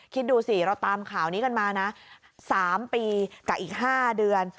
คิดดูสิเราตามข่าวนี้กันมานะ๓ปีกับอีก๕เดือน